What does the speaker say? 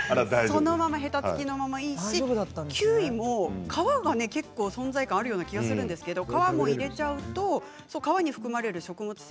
そのままヘタ付きのままでいいし、キウイも皮が結構存在感あるような気がするんですが皮も入れちゃうと皮に含まれる食物